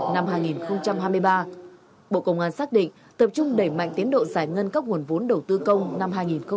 năm hai nghìn hai mươi ba bộ công an xác định tập trung đẩy mạnh tiến độ giải ngân các nguồn vốn đầu tư công năm